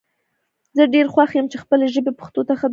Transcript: زه ډیر خوښ یم چی خپلې ژبي پښتو ته خدمت کوم